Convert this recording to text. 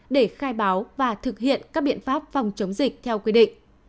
để khai báo và thực hiện các biện pháp phòng chống dịch theo quy định